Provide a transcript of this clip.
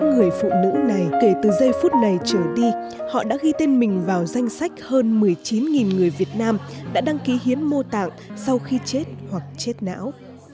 những người phụ nữ này kể từ giây phút này trở đi họ đã ghi tên mình vào danh sách hơn một mươi chín người việt nam đã đăng ký hiến mô tạng sau khi chết hoặc chết não